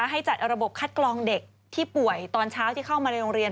ให้จัดระบบคัดกรองเด็กที่ป่วยตอนเช้าที่เข้ามาในโรงเรียน